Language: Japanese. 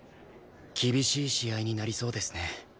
厳しい試合になりそうですね。